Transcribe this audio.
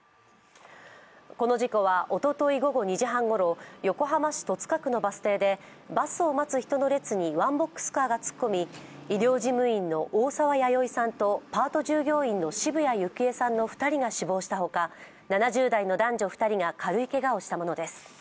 この事故は、おととい午後２時半ごろ、横浜市戸塚区のバス停で、バスを待つ人の列にワンボックスカーが突っ込み、医療事務員の大沢弥生さんとパート従業員の渋谷幸恵さんの２人が死亡したほか７０代の男女２人が軽いけがをしたものです。